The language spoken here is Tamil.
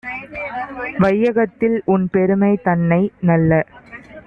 வையகத்தில் உன்பெருமை தன்னை, நல்ல